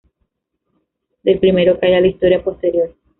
Del primero calla la historia posterior.